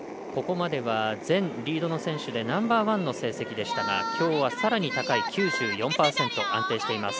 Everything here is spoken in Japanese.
ここまでは全リードの選手でナンバーワンの成績でしたがきょうはさらに高い９４％。